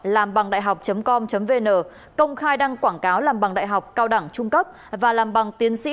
làmbằngđạihọc com vn công khai đăng quảng cáo làm bằng đại học cao đẳng trung cấp và làm bằng tiến sĩ